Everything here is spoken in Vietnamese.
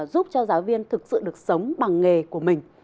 giúp cho giáo viên thực sự được sống bằng nghề của mình